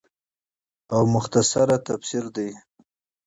او مختصر تفسير دے